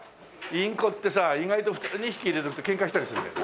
インコってさ意外と２匹入れとくとケンカしたりするんだよね。